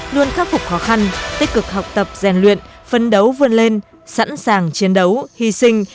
luôn khắc phục khó khăn tích cực học tập rèn luyện phân đấu vươn lên sẵn sàng chiến đấu hy sinh